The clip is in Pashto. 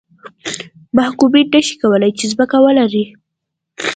محکومین نه شي کولای چې ځمکه ولري.